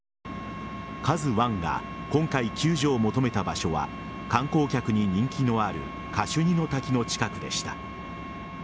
「ＫＡＺＵ１」が今回救助を求めた場所は観光客に人気のあるカシュニの滝の近くでした。